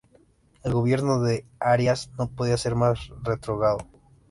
El gobierno de Arias no podía ser más retrógrado.